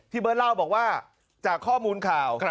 เบิร์ตเล่าบอกว่าจากข้อมูลข่าว